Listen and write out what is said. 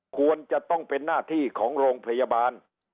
ควรจะต้องเป็นหน้าที่ของโรงพยาบาล